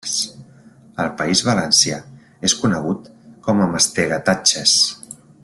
Al País Valencià és conegut com a mastegatatxes.